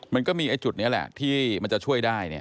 มันก็มีจุดนี้แหละที่มันจะช่วยได้